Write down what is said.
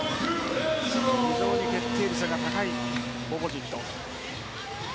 非常に決定率が高いオポジット。